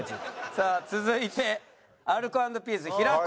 さあ続いてアルコ＆ピース平子。